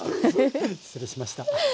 失礼しました。